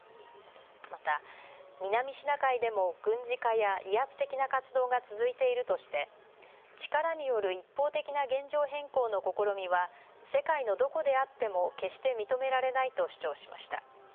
また南シナ海でも軍事化や威圧的な活動が続いているとして力による一方的な現状変更の試みは世界のどこであっても決して認められないと主張しました。